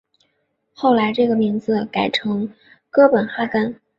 后来这个名字改成哥本哈根。